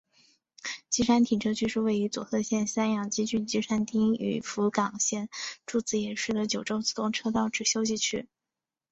基山停车区是位于佐贺县三养基郡基山町与福冈县筑紫野市的九州自动车道之休息区。